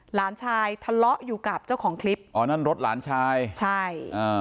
หลานชายทะเลาะอยู่กับเจ้าของคลิปอ๋อนั่นรถหลานชายใช่อ่า